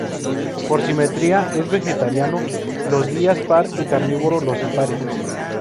Por simetría, es vegetariano los días par y carnívoro los impares.